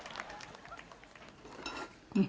うん。